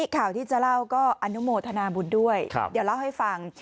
ข่าวที่จะเล่าก็อนุโมทนาบุญด้วยเดี๋ยวเล่าให้ฟัง